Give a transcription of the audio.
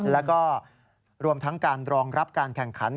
แล้วก็รวมทั้งการรองรับการแข่งขัน